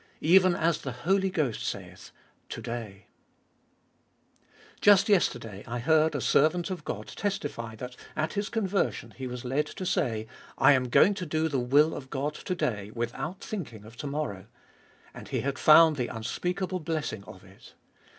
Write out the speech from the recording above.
" Even as the Holy Ghost saith, To day," 4. Just yesterday I heard a servant of God testify that at his conversion he was led to say : I am going to do the will of God to day, without thinking of to morrow ; and he had found the unspeakable blessing of it.